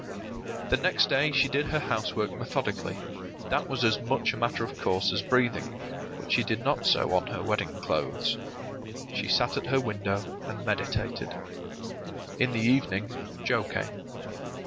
The next day she did her housework methodically; that was as much a matter of course as breathing; but she did not sew on her wedding clothes. She sat at her window and meditated. In the evening Joe came.